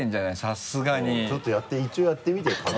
さすがにちょっとやって一応やってみてよ